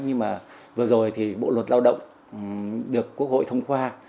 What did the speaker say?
nhưng mà vừa rồi thì bộ luật lao động được quốc hội thông qua